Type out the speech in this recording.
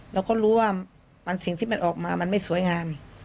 เราก็รู้ว่าสิ่งที่มันออกมามันไม่สวยงาม